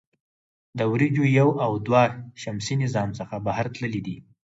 د وویجر یو او دوه د شمسي نظام څخه بهر تللي دي.